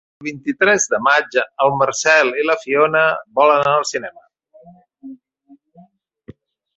El vint-i-tres de maig en Marcel i na Fiona volen anar al cinema.